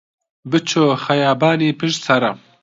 بچۆ خەیابانی پشت سەرا